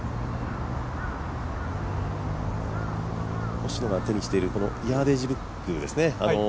星野が手にしているヤーデージブックですね。